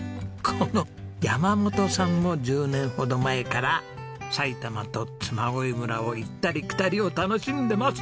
この山本さんも１０年ほど前から埼玉と嬬恋村を行ったり来たりを楽しんでます。